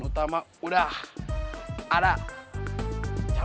suk fu di parasik